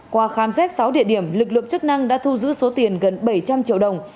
qua khám xét sáu địa điểm lực lượng chức năng đã thu giữ số tiền gần bảy trăm linh triệu đồng